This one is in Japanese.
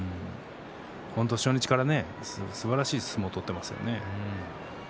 本当に初日からすばらしい相撲を取っていますよね。